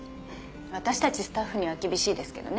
私たちスタッフには厳しいですけどね。